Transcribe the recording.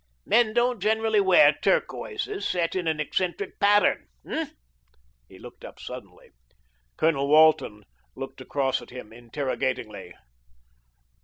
Men don't generally wear turquoises set in an eccentric pattern. Ha!" He looked up suddenly. Colonel Walton looked across at him interrogatingly.